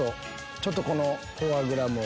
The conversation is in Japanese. ちょっとフォアグラも。